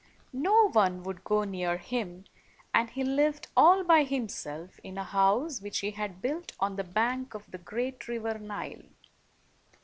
No one would go near him, and he lived all by himself in a house which he had built on the bank of the great river Nile.